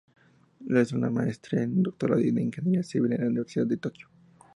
Realizó una Maestría y un Doctorado en ingeniería civil en la Universidad de Tokio.